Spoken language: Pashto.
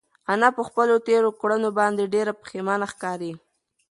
انا په خپلو تېرو کړنو باندې ډېره پښېمانه ښکاري.